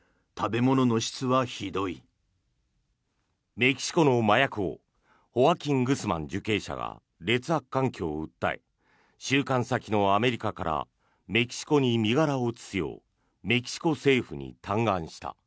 メキシコの麻薬王ホアキン・グスマン受刑者が劣悪環境を訴え収監先のアメリカからメキシコに身柄を移すようメキシコ政府に嘆願した。